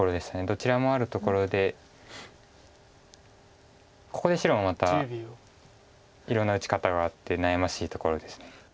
どちらもあるところでここで白もまたいろんな打ち方があって悩ましいところです。